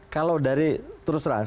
kalau dari terus terang